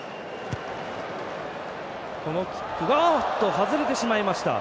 外れてしまいました。